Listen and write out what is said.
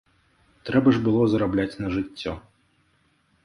Трэба ж было зарабляць на жыццё.